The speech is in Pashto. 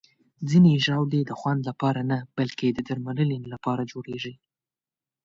ځینې ژاولې د خوند لپاره نه، بلکې د درملنې لپاره جوړېږي.